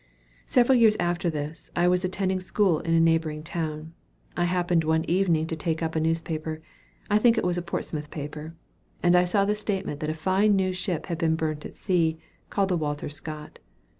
Several years after this, I was attending school in a neighboring town. I happened one evening to take up a newspaper. I think it was a Portsmouth paper; and I saw the statement that a fine new ship had been burnt at sea, called the WALTER SCOTT.